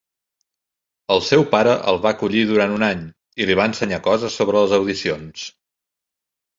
El seu pare el va acollir durant un any i li va ensenyar coses sobre les audicions.